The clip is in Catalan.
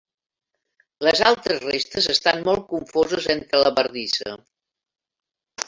Les altres restes estan molt confoses entre la bardissa.